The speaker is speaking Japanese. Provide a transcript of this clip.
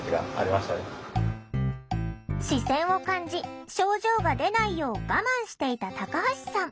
視線を感じ症状が出ないよう我慢していたタカハシさん。